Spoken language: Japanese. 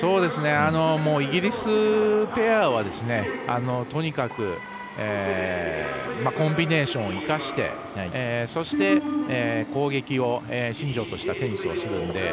イギリスペアはとにかくコンビネーションを生かしてそして、攻撃を信条としたテニスをするので。